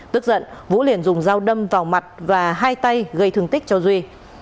tức giận vũ liền dùng dao đâm vào mặt và hai tay gây thương tích cho duy